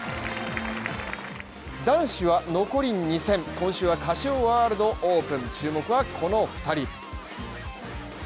男子は残り２戦、今週はカシオワールドオープン注目はこの２人。